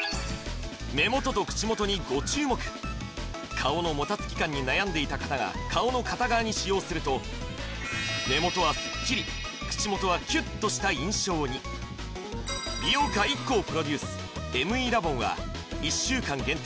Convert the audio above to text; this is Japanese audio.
顔のもたつき感に悩んでいた方が顔の片側に使用すると目元はスッキリ口元はキュッとした印象に美容家ＩＫＫＯプロデュースＭＥラボンは１週間限定